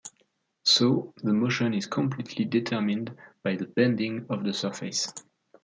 So, the motion is completely determined by the bending of the surface.